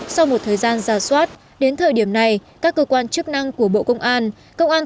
sau một thời gian giả soát đến thời điểm này các cơ quan chức năng của bộ công an